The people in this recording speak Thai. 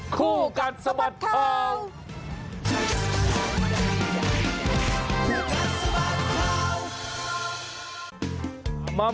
คู่กันสมัครข่าว